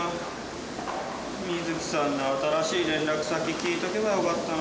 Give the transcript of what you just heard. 美月さんの新しい連絡先聞いておけばよかったなあ。